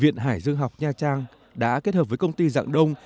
viện hải dương học nha trang đã kết hợp với công ty dạng đông